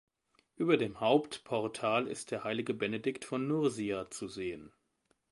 Über dem Hauptportal ist der Heilige Benedikt von Nursia zu sehen.